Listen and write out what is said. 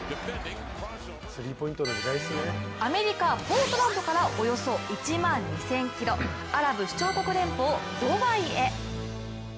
アメリカ・ポートランドからおよそ１万２０００ｋｍ、アラブ首長国連邦ドバイへ。